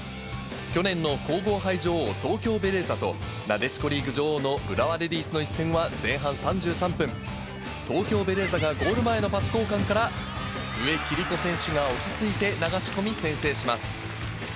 去年の皇后杯女王、東京ベレーザとなでしこリーグ女王の浦和レディースの一戦は前半３３分、東京ベレーザがゴール前のパス交換から植木理子選手が落ち着いて流し込み先制します。